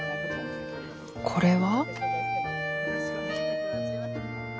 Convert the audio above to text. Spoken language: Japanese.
これは？